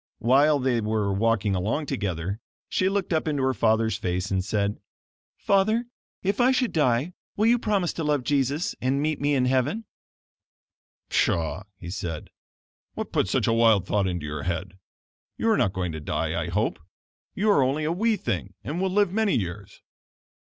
While they were walking along together, she looked up into her father's face, and said: "Father, if I should die, will you promise to love Jesus and meet me in heaven?" "Pshaw!" he said, "what put such a wild thought into your head? You are not going to die, I hope. You are only a wee thing and will live many years."